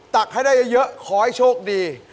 ตักให้ได้เยอะขอให้โชคดี